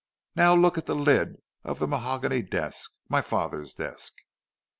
"Now look at the lid of the mahogany desk my father's desk."